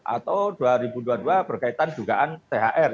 atau dua ribu dua puluh dua berkaitan dugaan thr